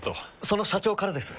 その社長からです。